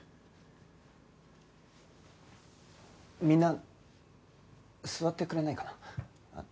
みんな座ってくれないかな？